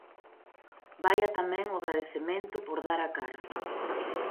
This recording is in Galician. Vaia tamén o agradecemento por dar a cara.